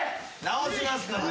直しますから。